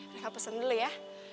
reva pesen dulu ya